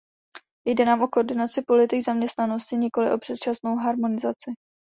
Jde nám o koordinaci politik zaměstnanosti, nikoli o předčasnou harmonizaci.